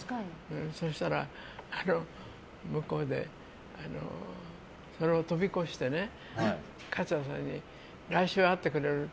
そしたら向こうでそれを飛び越してね桂さんに来週会ってくれるって。